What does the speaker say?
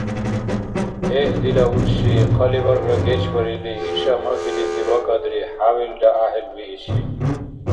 Эгь, дила урши, хъалибаргра гечбарили, иша, махьилизи, вакӏадри, хӏябилра гӏяхӏил бииши...